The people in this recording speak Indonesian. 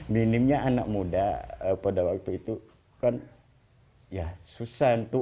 minimnya anak muda pada waktu itu kan ya susah tuh